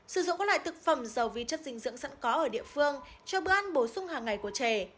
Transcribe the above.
sử dụng các loại thực phẩm dầu vi chất dinh dưỡng sẵn có ở địa phương cho bữa ăn bổ sung hàng ngày của trẻ